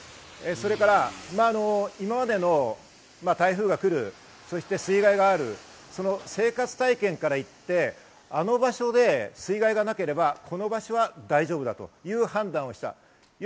それから今までの台風が来る、そして水害がある、その生活体験からいって、あの場所で水害がなければこの場所は大丈夫だという判断をした。